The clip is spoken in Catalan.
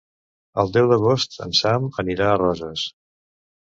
El deu d'agost en Sam anirà a Roses.